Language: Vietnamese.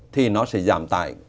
thì nó sẽ giảm tải